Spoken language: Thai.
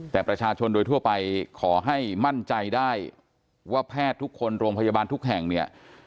แต่ประชาชนโดยทั่วไปขอให้มั่นใจได้ว่าแพทย์ทุกคนโรงพยาบาลทุกแห่งเนี่ย